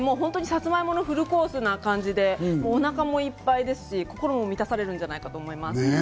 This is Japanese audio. サツマイモのフルコースみたいな感じで、お腹もいっぱいですし、多分満たされるんじゃないかと思います。